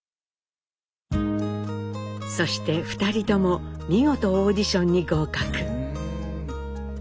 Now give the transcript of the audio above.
そして２人とも見事オーディションに合格。